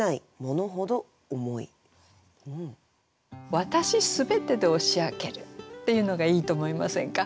「わたし全てで押し開ける」っていうのがいいと思いませんか。